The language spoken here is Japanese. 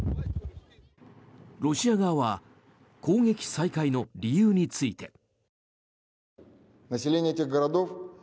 ロシア側は攻撃再開の理由について。